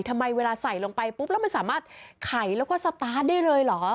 ทำไมเวลาใส่ลงไปปุ๊บแล้วมันสามารถไขแล้วก็สตาร์ทได้เลยเหรอ